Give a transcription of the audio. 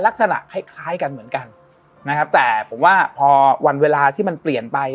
ลักษณะคล้ายคล้ายกันเหมือนกันนะครับแต่ผมว่าพอวันเวลาที่มันเปลี่ยนไป